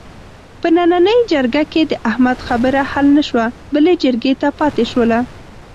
په نننۍ جرګه کې د احمد خبره حل نشوه، بلې جرګې ته پاتې شوله.